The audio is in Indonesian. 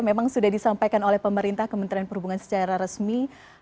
memang sudah disampaikan oleh pemerintah kementerian perhubungan secara resmi